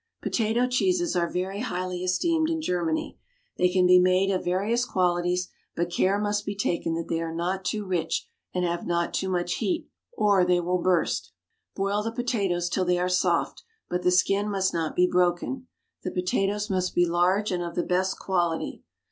Potato cheeses are very highly esteemed in Germany; they can be made of various qualities, but care must be taken that they are not too rich and have not too much heat, or they will burst. Boil the potatoes till they are soft, but the skin must not be broken. The potatoes must be large and of the best quality.